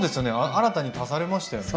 新たに足されましたよね。